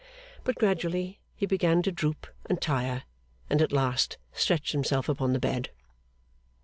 But gradually he began to droop and tire, and at last stretched himself upon the bed.